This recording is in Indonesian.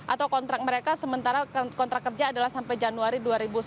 atau kontrak mereka sementara kontrak kerja adalah sampai januari dua ribu sembilan belas